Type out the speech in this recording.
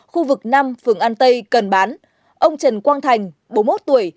khu vực năm phường an tây cần bán ông trần quang thành bốn mươi một tuổi